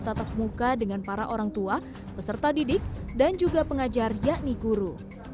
tatap muka dengan para orang tua peserta didik dan juga pengajar yakni guru